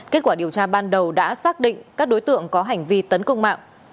kết quả điều tra ban đầu đã xác định các đối tượng có hành vi tấn công mạng